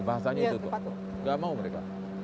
bahasanya itu tuk nggak mau mereka